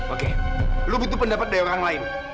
oke lu butuh pendapat dari orang lain